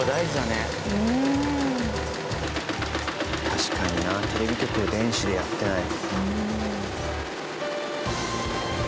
確かになテレビ局電子でやってない。